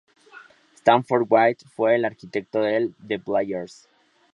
Stanford White fue el arquitecto del The Players.